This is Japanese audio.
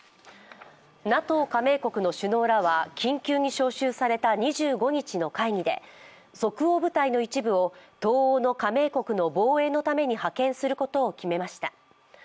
ＮＡＴＯ加盟国の首脳らは緊急に招集された２５日の会議で、即応部隊の一部を東欧の加盟国の防衛のために派遣することを決めました。